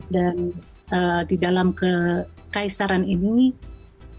dan di dalam kekaisaran ini menyebabkan